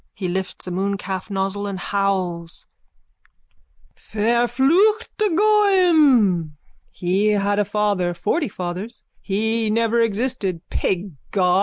He lifts a mooncalf nozzle and howls.) Verfluchte Goim!_ He had a father, forty fathers. He never existed. Pig God!